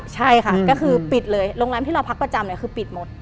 ใช่ค่ะก็คือปิดเลยโรงแรมที่เราพักประจำเนี่ยคือปิดหมด